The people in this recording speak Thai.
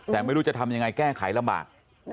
แต่ไม่รู้จะทำยังไงแก้ไขลำบาก